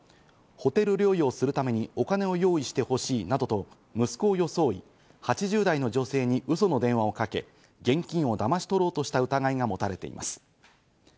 ホテル療養するためにお金を用意してほしいなどと息子を装い、８０代の女性にウソの電話をかけ、現金をだまし取ろうとした疑いが持たれています。